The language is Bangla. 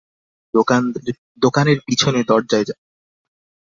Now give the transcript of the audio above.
দোকানের পিছনে দরজায় যাও।